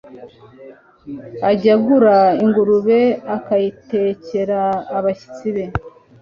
ajya agura ingurube akayitekera abashyitsi be